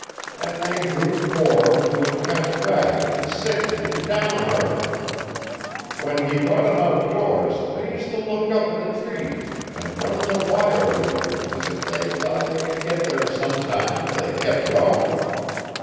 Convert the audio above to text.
An they grew poor an' looked kind o' ragged an' sickly an' downhearted. When he brought 'em outdoors they used t' look up in the trees an' run in the wire wheel as if they thought they could get there sometime if they kep' goin'.